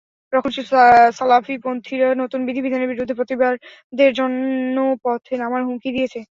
রক্ষণশীল সালাফিপন্থীরা নতুন বিধিবিধানের বিরুদ্ধে প্রতিবাদের জন্য পথে নামার হুমকি দিয়েছে।